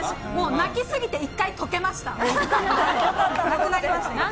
泣きすぎて、一回とけました。